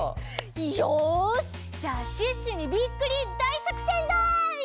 よしじゃあシュッシュにビックリだいさくせんだい！